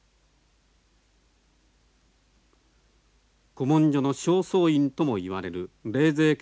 古文書の正倉院とも言われる冷泉家